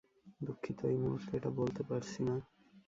দুঃখিত, এই মুহুর্তে এটা বলতে পারছি না।